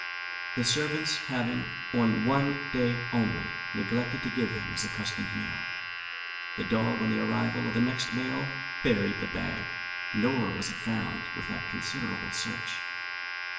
The servants having, on one day only, neglected to give him his accustomed meal, the dog on the arrival of the next mail buried the bag, nor was it found without considerable search.